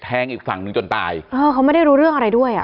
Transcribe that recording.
อีกฝั่งหนึ่งจนตายเออเขาไม่ได้รู้เรื่องอะไรด้วยอ่ะ